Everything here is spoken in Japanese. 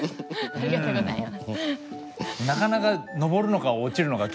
ありがとうございます。